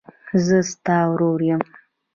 زه ستا ورور یم.